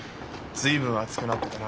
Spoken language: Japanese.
随分熱くなってたな。